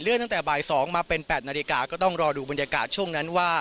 ตั้งแต่บ่าย๒มาเป็น๘นาฬิกาก็ต้องรอดูบรรยากาศช่วงนั้นว่า